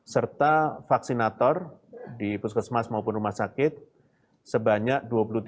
serta vaksinator di puskesmas maupun rumah sakit sebanyak dua puluh tiga satu ratus empat puluh lima